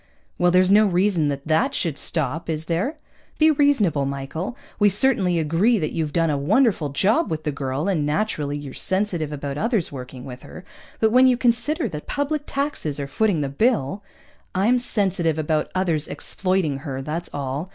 "Well, there's no reason that that should stop, is there? Be reasonable, Michael. We certainly agree that you've done a wonderful job with the girl, and naturally you're sensitive about others working with her. But when you consider that public taxes are footing the bill " "I'm sensitive about others exploiting her, that's all.